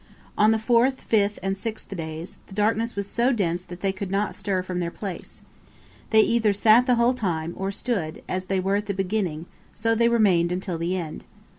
On the fourth, fifth, and sixth days, the darkness was so dense that they could not stir from their place. They either sat the whole time, or stood; as they were at the beginning, so they remained until the end.